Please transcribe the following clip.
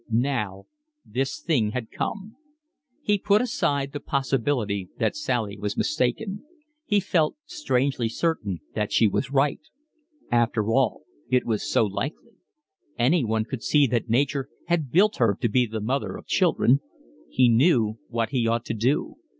Now this thing had come. He put aside the possibility that Sally was mistaken; he felt strangely certain that she was right; after all, it was so likely; anyone could see that Nature had built her to be the mother of children. He knew what he ought to do.